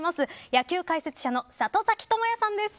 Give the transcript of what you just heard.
野球解説者の里崎智也さんです。